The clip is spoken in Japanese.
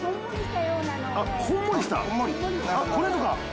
これとか。